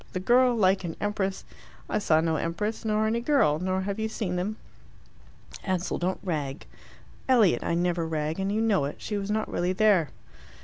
The girl like an empress " "I saw no empress, nor any girl, nor have you seen them." "Ansell, don't rag." "Elliot, I never rag, and you know it. She was not really there."